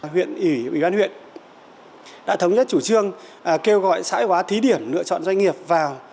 huyện ủy ủy ban huyện đã thống nhất chủ trương kêu gọi xã hóa thí điểm lựa chọn doanh nghiệp vào